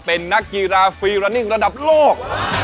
เป็นนักกีฬาฟีรานิ่งระดับโลก